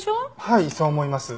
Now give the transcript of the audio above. はいそう思います。